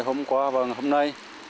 hôm qua và hôm nay